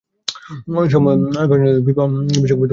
Samoa এপর্যন্ত একবারও FIFA বিশ্বকাপে অংশগ্রহণ করতে পারেনি।